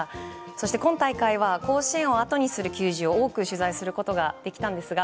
そして、今大会は甲子園をあとにする球児を多く取材することができたんですが